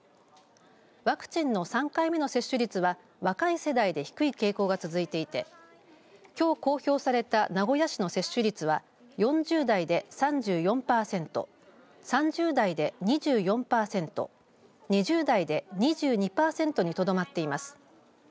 ワクチンの３回目の接種率は若い世代で低い傾向が続いていてきょう公表された名古屋市の接種率は４０代で３４パーセント３０代で２４パーセント２０代で２２パーセントにとどまっています。